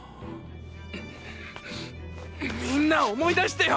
みんな思い出してよ！